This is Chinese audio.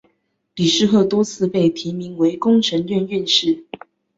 李世鹤多次被提名为工程院院士。